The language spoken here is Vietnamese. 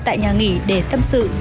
tại nhà nghỉ để tâm sự